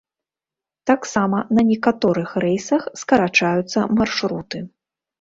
Таксама на некаторых рэйсах скарачаюцца маршруты.